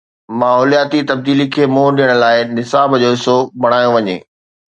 ماحولياتي تبديلي کي منهن ڏيڻ لاءِ نصاب جو حصو بڻايو وڃي.